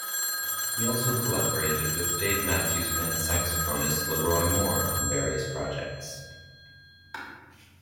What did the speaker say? He also collaborated with Dave Matthews Band saxophonist LeRoi Moore on various projects.